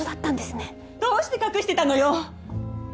どうして隠してたのよ！